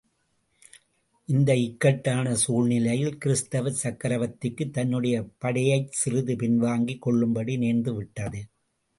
இந்த இக்கட்டான, சூழ்நிலையில் கிறிஸ்தவச் சக்கரவர்த்திக்கு, தன்னுடைய படையைச் சிறிது பின்வாங்கிக் கொள்ளும்படி நேர்ந்துவிட்டது.